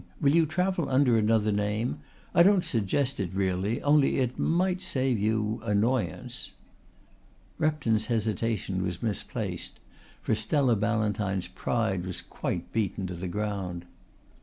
Will you travel under another name? I don't suggest it really, only it might save you annoyance." Repton's hesitation was misplaced, for Stella Ballantyne's pride was quite beaten to the ground.